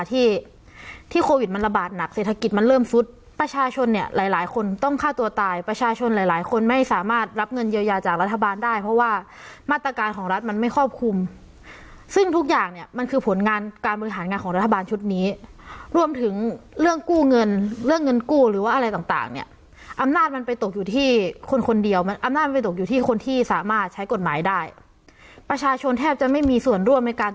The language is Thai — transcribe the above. ที่โควิดมันระบาดหนักเศรษฐกิจมันเริ่มซุดประชาชนเนี่ยหลายหลายคนต้องฆ่าตัวตายประชาชนหลายหลายคนไม่สามารถรับเงินเยียวยาจากรัฐบาลได้เพราะว่ามาตรการของรัฐมันไม่ควบคุมซึ่งทุกอย่างเนี่ยมันคือผลงานการบริหารงานของรัฐบาลชุดนี้รวมถึงเรื่องกู้เงินเรื่องเงินกู้หรือว่าอะไรต่าง